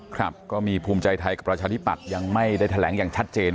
ครับก็มีภูมิใจไทยกับประชาธิปัตย์ยังไม่ได้แถลงอย่างชัดเจน